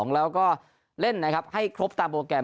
แล้วก็เล่นให้ครบตามโปรแกรม